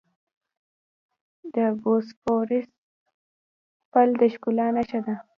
د بوسفورس پل د ښکلا نښه ده.